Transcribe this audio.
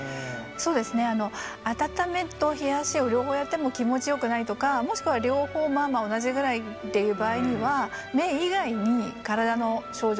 そうですね温めと冷やしを両方やっても気持ちよくないとかもしくは両方まあまあ同じぐらいっていう場合には目以外に体の症状